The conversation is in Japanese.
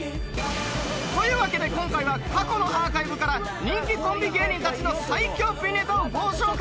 というわけで今回は過去のアーカイブから人気コンビ芸人たちの最強ピンネタをご紹介。